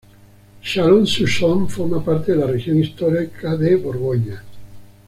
Chalon-sur-Saône forma parte de la región histórica de Borgoña.